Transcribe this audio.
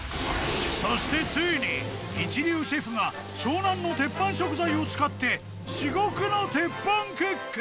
そしてついに一流シェフが湘南のテッパン食材を使って至極の鉄板クック！